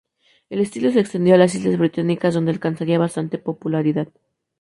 El estilo se extendió a las islas británicas, donde alcanzaría bastante popularidad.